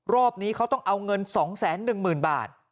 รอบนี้เขาต้องเอาเงิน๒๑๐๐๐บาท